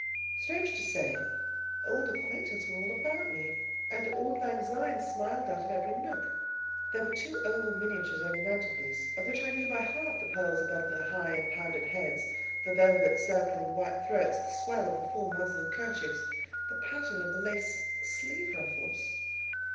Strange to say, old acquaintance were all about me, and "auld lang syne" smiled out of every nook. There were two oval miniatures over the mantel piece, of which I knew by heart the pearls about the high and powdered "heads;" the velvets circling the white throats; the swell of the full muslin kerchiefs: the pattern of the lace sleeve ruffles.